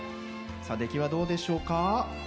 出来はどうでしょうか。